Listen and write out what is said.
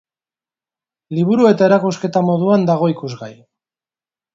Liburu eta erakusketa moduan dago ikusgai.